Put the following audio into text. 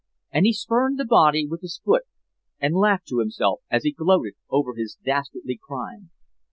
And he spurned the body with his foot and laughed to himself as he gloated over his dastardly crime.